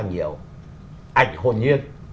nhiều ảnh hồn nhiên